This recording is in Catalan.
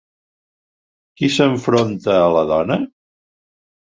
Qui s'enfronta a la dona?